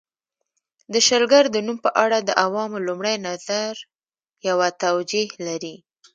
د شلګر د نوم په اړه د عوامو لومړی نظر یوه توجیه لري